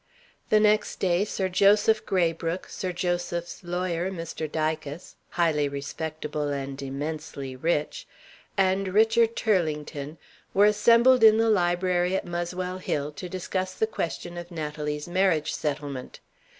The next day Sir Joseph Graybrooke, Sir Joseph's lawyer, Mr. Dicas (highly respectable and immensely rich), and Richard Turlington were assembled in the library at Muswell Hill, to discuss the question of Natalie's marriage settlement.